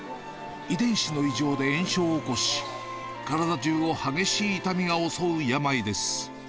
遺伝子の異常で炎症を起こし、体中を激しい痛みが襲う病です。